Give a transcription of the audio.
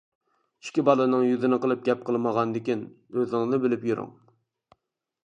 ئىككى بالىنىڭ يۈزىنى قىلىپ گەپ قىلمىغاندىكىن، ئۆزىڭىزنى بىلىپ يۈرۈڭ.